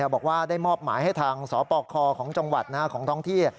บอกว่าได้มอบหมายให้ทางสปคของจังหวัดของท้องที่